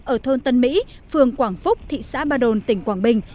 ở thôn tân mỹ phường quảng phúc thị xã ba đồn tỉnh quảng bình